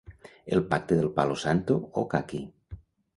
El pacte del “palosanto” o caqui.